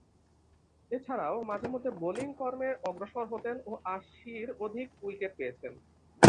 এছাড়াও, মাঝে-মধ্যে বোলিং কর্মে অগ্রসর হতেন ও আশির অধিক উইকেট পেয়েছেন।